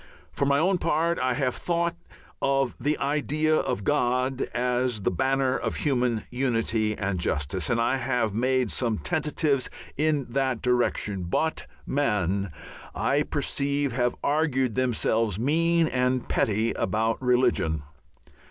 For my own part I have thought of the idea of God as the banner of human unity and justice, and I have made some tentatives in that direction, but men, I perceive, have argued themselves mean and petty about religion.